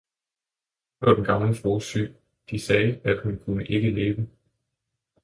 Nu lå den gamle frue syg, de sagde at hun kunne ikke leve!